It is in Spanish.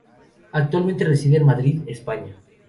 Actualmente reside en Madrid, España.